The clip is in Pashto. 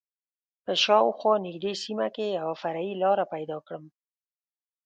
په شا او خوا نږدې سیمه کې یوه فرعي لاره پیدا کړم.